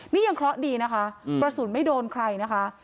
นี่ยังเคราะห์ดีนะคะกระสุนไม่โดนใครนะคะ